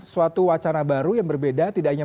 suatu wacana baru yang berbeda tidak hanya